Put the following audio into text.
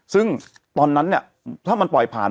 ซึ่งตอนนั้นเนี่ยถ้ามันปล่อยผ่าน